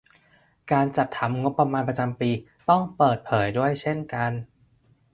การจัดทำงบประมาณประจำปีต้องเปิดเผยด้วยเช่นกัน